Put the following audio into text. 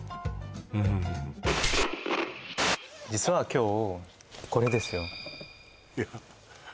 うん実は今日これですよいや